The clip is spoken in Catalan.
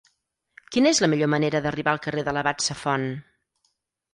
Quina és la millor manera d'arribar al carrer de l'Abat Safont?